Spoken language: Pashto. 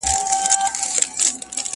زه پرون کتابونه وړلي،